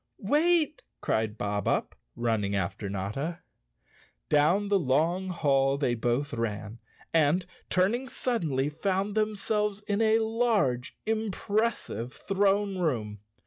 "Wait!" cried Bob Up, running after Notta. Down the long hall they both ran, and, turning sud¬ denly, found themselves in a large, impressive throne room.